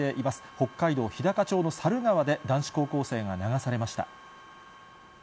北海道日高町の沙流川で男子高校生が流されました。